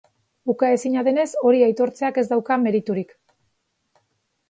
Ukaezina denez, hori aitortzeak ez dauka meriturik.